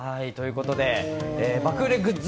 爆売れグッズ